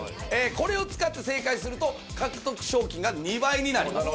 これを使って正解すると獲得賞金が２倍になります。